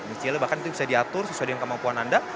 istilahnya bahkan itu bisa diatur sesuai dengan kemampuan anda